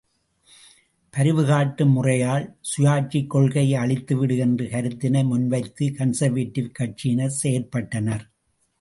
பரிவுகாட்டும் முறையால் சுயாட்சிக் கொள்கையை அழித்துவிடு என்ற கருத்தினை முன்வைத்து கன்சர்வேட்டிவ் கட்சியினர் செயற்பட்டனர்.